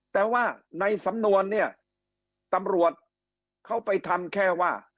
แต่ว่าในสำนวนเนี่ยตำรวจเขาไปทำแค่ว่า